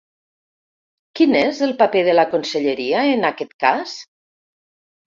Quin és el paper de la conselleria en aquest cas?